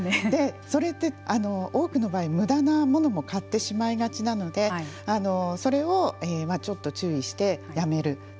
それって多くの場合むだなものも買ってしまいがちなのでそれをちょっと注意してやめる。